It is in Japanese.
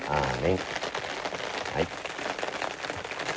はい。